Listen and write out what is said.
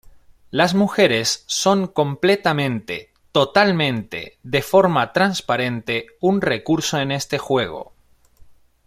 Las mujeres son completamente, totalmente, de forma transparente, un recurso en este juego".